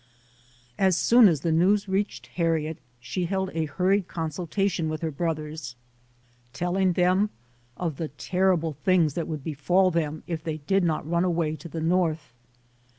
As soon as the news reached Harriet, she held a hurried consultation with her brothers, telling them of the terrible things that would befall them if they 92 ] UNSUNG HEROES did not run away to the North.